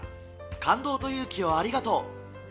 感動と勇気をありがとう。